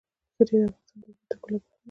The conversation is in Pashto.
ښتې د افغانستان د طبیعت د ښکلا برخه ده.